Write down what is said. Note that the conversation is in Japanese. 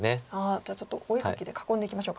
じゃあちょっとお絵描きで囲んでいきましょうか。